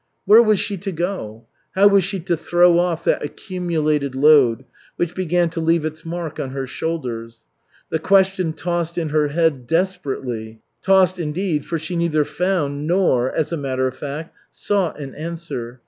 Where was she to go? How was she to throw off that accumulated load, which began to leave its mark on her shoulders? The question tossed in her head desperately tossed, indeed, for she neither found nor, as a matter of fact, sought an answer.